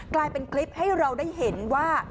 กลายเป็นคลิปให้เราได้เห็นว่า